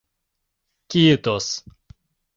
— Киитос...